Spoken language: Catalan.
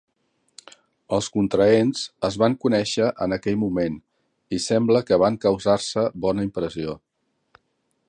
Els contraents es van conèixer en aquell moment i sembla que van causar-se bona impressió.